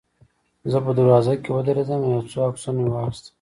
زه په دروازه کې ودرېدم او یو څو عکسونه مې واخیستل.